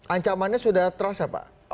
ancamannya sudah terasa pak